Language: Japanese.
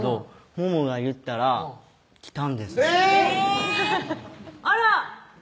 モモが言ったら来たんですえぇ！あら！